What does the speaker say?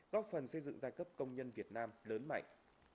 góp phần xây dựng giai cấp công nhân việt nam lớn mạnh